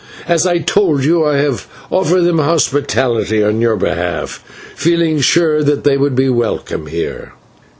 As I told you, I have offered them hospitality on your behalf, feeling sure that they would be welcome here."